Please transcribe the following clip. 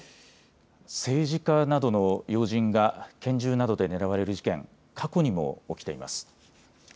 政治家などの要人が拳銃などで狙われる事件、過去にも起きています。